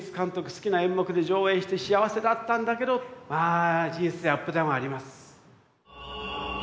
好きな演目で上演して幸せだったんだけどまあ人生アップダウンはあります。